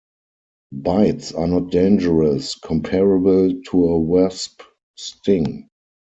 Bites are not dangerous; comparable to a wasp sting.